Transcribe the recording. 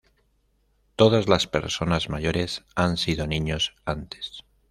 Todas las personas mayores han sido niños antes.